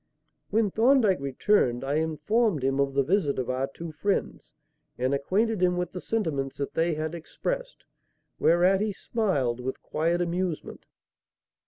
When Thorndyke returned, I informed him of the visit of our two friends, and acquainted him with the sentiments that they had expressed; whereat he smiled with quiet amusement.